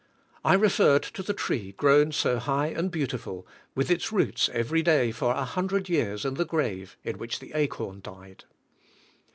I referred to the tree grown so high and beautiful, with its roots every day for a hundred years in the grave in which the acorn died.